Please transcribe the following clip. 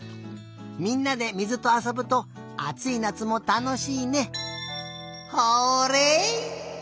みんなで水とあそぶとあついなつもたのしいね。